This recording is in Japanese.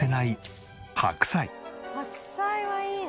白菜はいいね。